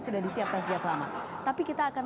sudah disiapkan sejak lama tapi kita akan